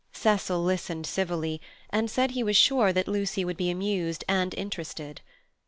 Cecil listened civilly, and said he was sure that Lucy would be amused and interested.